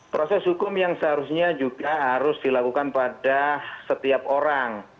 proses hukum yang seharusnya juga harus dilakukan pada setiap orang